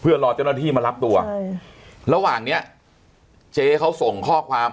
เพื่อรอเจ้าหน้าที่มารับตัวระหว่างเนี้ยเจ๊เขาส่งข้อความ